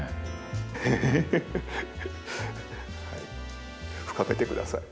ヘヘヘはい深めて下さい。